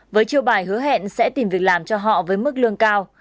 với chiêu bài hứa hẹn sẽ tìm việc làm cho họ với mức lương cao